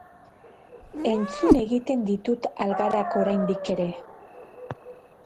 Entzun egiten ditut algarak oraindik ere.